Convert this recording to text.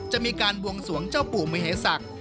จะมีการบวงสวงเจ้าปู่มเหศักดิ์